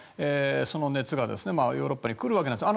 その熱がヨーロッパに来るわけなんです。